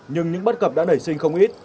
nhưng những bất cập đã lẩy sinh không ít